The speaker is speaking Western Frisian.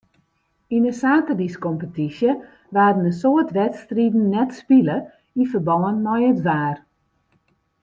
Yn de saterdeiskompetysje waarden in soad wedstriden net spile yn ferbân mei it waar.